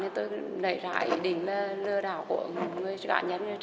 thì tôi nảy ra ý định là lừa đảo của người cá nhân